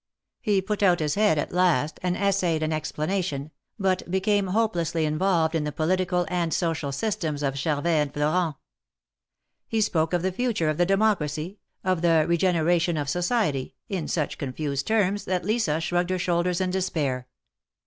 He put out his head at last and essayed an explanation, but became hopelessly involved in tlie political and social systems of Char vet and Florent. lie spoke of the future of the Democracy, of the regenera tion of Society, in such confused terms, that Lisa shrugged her shoulders in despair.